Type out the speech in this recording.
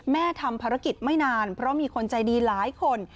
ทำภารกิจไม่นานเพราะมีคนใจดีหลายคน